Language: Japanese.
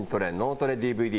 トレＤＶＤ